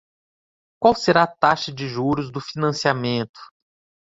Qual será a taxa de juros do financiamento?